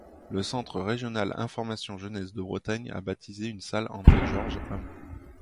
Le Centre régional information jeunesse de Bretagne a baptisé une salle André-Georges Hamon.